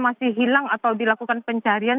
masih hilang atau dilakukan pencarian